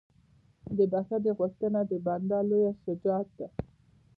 د بښنې غوښتنه د بنده لویه شجاعت ده.